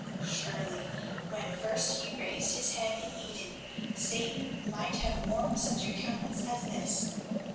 Surely, when first he raised his head in Eden, Satan might have worn such a countenance as this.